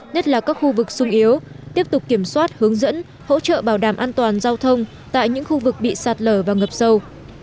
nhất là các khu vực sung yếu tiếp tục kiểm soát hướng dẫn hỗ trợ bảo đảm an toàn giao thông tại những khu vực bị sạt lở và ngập sâu